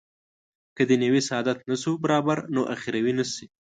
که دنیوي سعادت نه شو برابر نو اخروي نه شي.